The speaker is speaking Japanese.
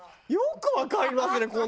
よくわかりますね